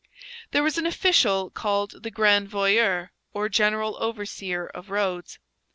There was an official called the grand voyer, or general overseer of roads.